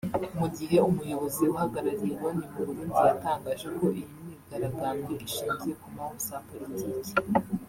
mu gihe umuyobozi uhagarariye Loni mu Burundi yatangaje ko iyi myigaragambyo ishingiye ku mpamvu za politiki